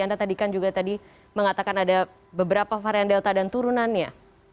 anda tadi kan juga tadi mengatakan ada beberapa varian delta dan turunannya